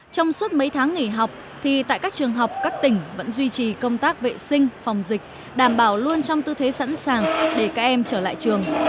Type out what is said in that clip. trong suốt mấy tháng nghỉ học thì tại các trường học các tỉnh vẫn duy trì công tác vệ sinh phòng dịch đảm bảo luôn trong tư thế sẵn sàng để các em trở lại trường